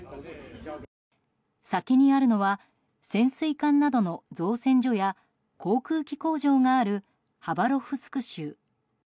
先にあるのは潜水艦などの造船所や航空機工場があるハバロフスク州。